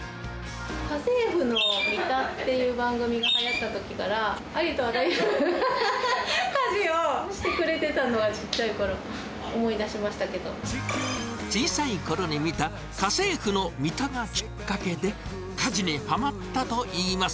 家政婦のミタっていう番組を見たときから、ありとあらゆる家事をしてくれてたのはちっちゃい小さいころに見た、家政婦のミタがきっかけで、家事にはまったといいます。